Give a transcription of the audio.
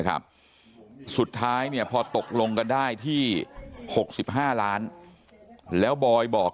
ครับสุดท้ายเนี่ยพอตกลงกันได้ที่๖๕ล้านแล้วบอยบอก